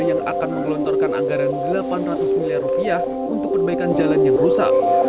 yang akan menggelontorkan anggaran delapan ratus miliar rupiah untuk perbaikan jalan yang rusak